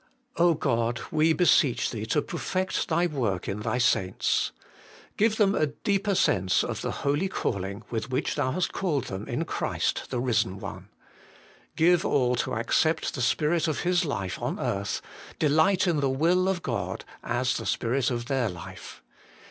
God ! we beseech Thee to perfect Thy work in Thy saints. Give them a deeper sense of the holy calling with which Thou hast called them in Christ, 174 HOLY IN CHRIST. the Eisen One. Gfive all to accept the Spirit of His life on earth, delight in the will of God, as the spirit of their life.